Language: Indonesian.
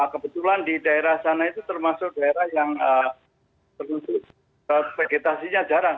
kebetulan di daerah sana itu termasuk daerah yang vegetasinya jarang